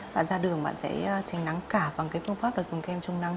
bạn ra đường bạn sẽ tránh nắng cả bằng phương pháp dùng kem chống nắng